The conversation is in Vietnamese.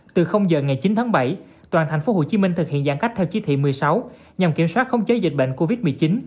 từ giờ ngày chín tháng bảy toàn thành phố hồ chí minh thực hiện giãn cách theo chí thị một mươi sáu nhằm kiểm soát không chế dịch bệnh covid một mươi chín